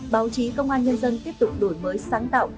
báo chí công an nhân dân tiếp tục đổi mới sáng tạo